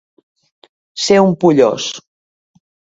Ser un pollós.